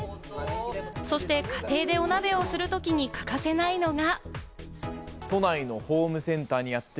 そして家庭でお鍋をするときに欠かせないのが。